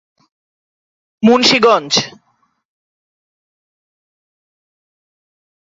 তখন তিনি ব্রাহ্মণবাড়িয়া ও হবিগঞ্জ জেলার বিভিন্ন স্থানে যুদ্ধ করেন।